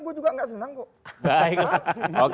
gue juga gak senang kok